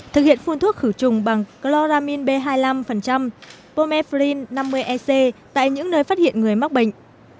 thực hiện phun thuốc khử trùng bằng chloramine b hai mươi năm pomeflin năm mươi ec tại những nơi phát hiện người mắc bệnh